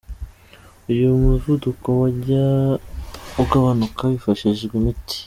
uyu muvuduko wajya ugabanuka hifashishijwe imiti.